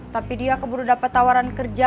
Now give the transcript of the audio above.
tapi dia keburu dapat tawaran kerja